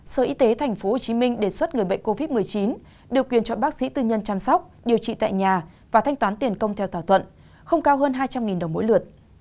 sở y tế tp hcm đề xuất người bệnh covid một mươi chín điều quyền cho bác sĩ tư nhân chăm sóc điều trị tại nhà và thanh toán tiền công theo thỏa thuận không cao hơn hai trăm linh đồng mỗi lượt